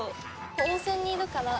温泉にいるから。